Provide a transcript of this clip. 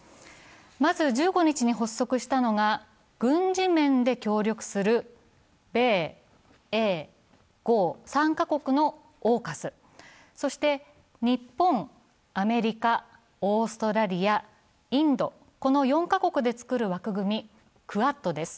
まず１５日に発足したのが、軍事面で協力する米英豪、３カ国のＡＵＫＵＳ、そして日本、アメリカ、オーストラリア、インド、この４カ国でつくる枠組み、クアッドです。